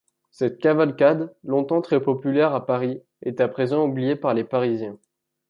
Cette cavalcade longtemps très populaire à Paris est à présent oubliée par les Parisiens.